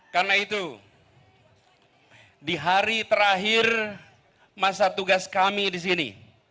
karena itu di hari terakhir masa tugas kami di sini